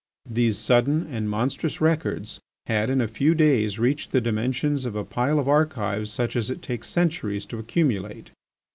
These sudden and monstrous records had in a few days reached the dimensions of a pile of archives such as it takes centuries to accumulate.